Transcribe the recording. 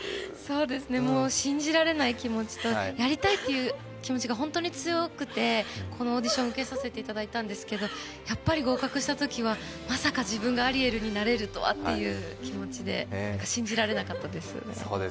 もう信じられない気持ちとやりたいっていう気持ちが本当に強くて、このオーディションを受けさせていただいたんですけれども、やっぱり合格したときはまさか自分がアリエルになれるとはという気持ちで信じられなかったです。